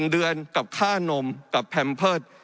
๑เดือนกับค่านมกับแพมเพิร์ต